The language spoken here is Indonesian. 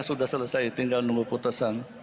sudah selesai tinggal nunggu putusan